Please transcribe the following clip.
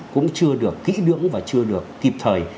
cũng chưa được kỹ lưỡng và chưa được kịp thời